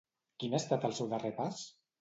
Quin ha estat el seu darrer pas?